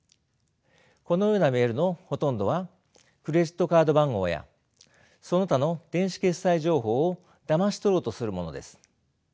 このようなメールのほとんどはクレジットカード番号やその他の電子決済情報をだまし取ろうとするものです。